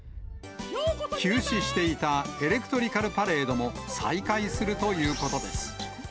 休止していたエレクトリカルパレードも再開するということです。